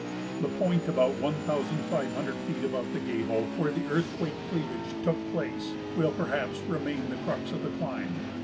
The point about one thousand five hundred feet above the gable, where the earthquake cleavage took place, will perhaps remain the crux of the climb.